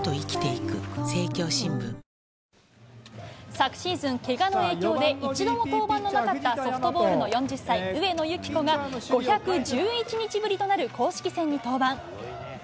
作シーズン、けがの影響で一度も登板のなかったソフトボールの４０歳、上野由岐子が５１１日ぶりとなる公式戦に登板。